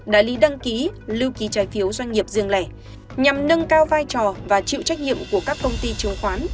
đại lý đăng ký lưu ký trái phiếu doanh nghiệp riêng lẻ nhằm nâng cao vai trò và chịu trách nhiệm của các công ty chứng khoán